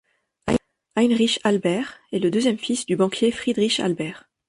Heinrich Albert est le deuxième fils du banquier Friedrich Albert.